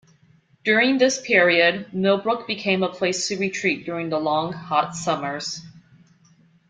During this period, Millbrook became a place to retreat during the long, hot summers.